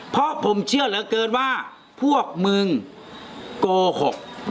เพราะผมเชื่อเหลือเกินว่าพวกมึงโกหก